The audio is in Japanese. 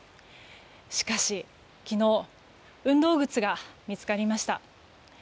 しかし、昨日運動靴が見つかりました。